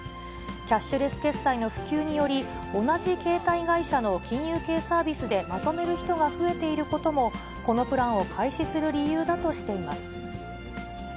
キャッシュレス決済の普及により、同じ携帯会社の金融系サービスでまとめる人が増えていることも、このプランを開始する理由だとしています。